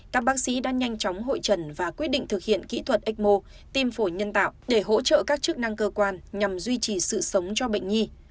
các bác sĩ đã nhanh chóng hội trần và quyết định thực hiện kỹ thuật ecmo tim phổi nhân tạo để hỗ trợ các chức năng cơ quan nhằm duy trì sự sống cho bệnh nhi